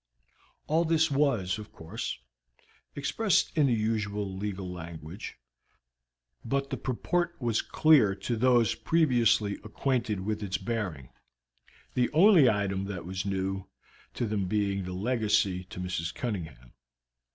All this was, of course, expressed in the usual legal language, but the purport was clear to those previously acquainted with its bearing, the only item that was new to them being the legacy to Mrs. Cunningham.